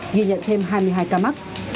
ghi nhận thêm hai mươi hai ca mắc